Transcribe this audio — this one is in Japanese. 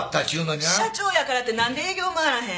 「社長やからって何で営業回らへん」